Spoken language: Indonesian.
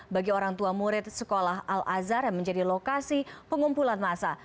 bagi orang tua murid sekolah al azhar yang menjadi lokasi pengumpulan massa